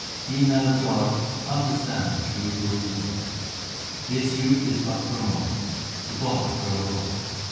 Ye men of God, understand the true Guru's word. This youth is but for a moment ; 1 the body groweth old.